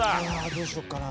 どうしようかな。